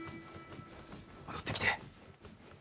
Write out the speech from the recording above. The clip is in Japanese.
戻ってきて。